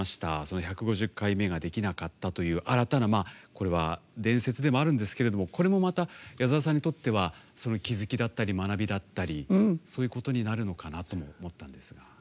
１５０回目ができなかったという新たな伝説でもあるんですけどこれもまた矢沢さんにとって気付きだったり学びだったりそういうことになるのかなと思ったんですが。